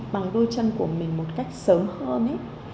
bằng đôi chân của mình một cách sớm hơn